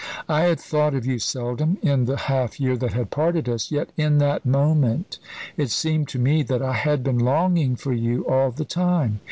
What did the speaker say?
I had thought of you seldom in the half year that had parted us; yet in that moment it seemed to me that I had been longing for you all the time.